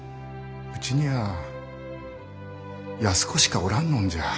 うちにゃあ安子しかおらんのんじゃ。